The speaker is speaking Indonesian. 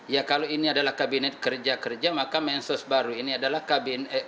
ya kalau ini adalah kabinet kerja kerja maka mensos baru ini adalah kabinet